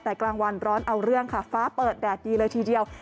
แต่กลางวันร้อนเอาเรื่องค่ะฟ้าเปิดแดดดีเลยทีเดียว